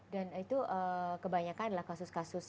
dan itu kebanyakan adalah kasus kasus